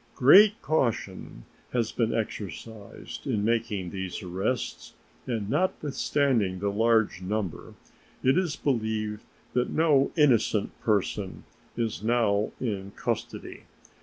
Great caution has been exercised in making these arrests, and, notwithstanding the large number, it is believed that no innocent person is now in custody.